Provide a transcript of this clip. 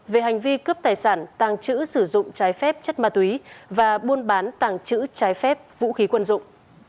về hành vi cướp tài sản tàng trữ sử dụng trái phép chất ma túy và buôn bán tàng trữ trái phép vũ khí quân dụng